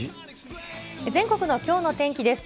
全国のきょうの天気です。